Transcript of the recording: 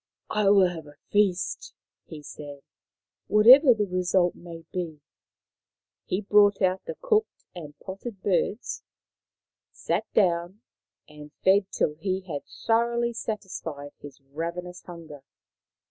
" I will have a feast," he said, " whatever the result may be." He brought out the cooked and potted birds, 111 H2 Maoriland Fairy Tales sat down, and fed till he had thoroughly satisfied his ravenous hunger.